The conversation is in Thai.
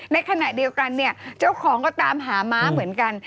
ในขณะเดียวกันเนี่ยเจ้าของก็ตามหาม้าเหมือนกัน